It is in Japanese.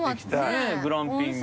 グランピング。